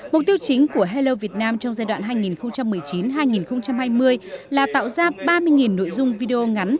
mục tiêu chính của hello việt nam trong giai đoạn hai nghìn một mươi chín hai nghìn hai mươi là tạo ra ba mươi nội dung video ngắn